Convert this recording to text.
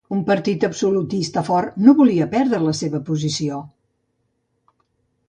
Un partit absolutista fort no volia perdre la seva posició.